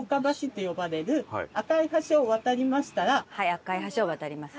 赤い橋を渡ります。